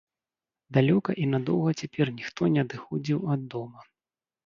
Далёка і надоўга цяпер ніхто не адыходзіў ад дома.